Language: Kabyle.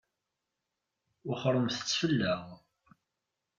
Wexxṛemt-tt fell-aɣ.